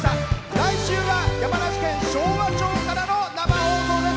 来週は山梨県昭和町からの生放送です。